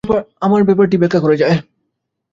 আমার ব্যাপারটি ব্যাখ্যা করা যায়।